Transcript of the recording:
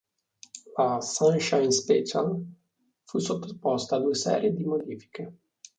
La "Sunshine Special" fu sottoposta a due serie di modifiche.